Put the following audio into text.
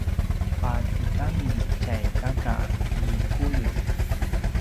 patigami tjay kaka i Kuliu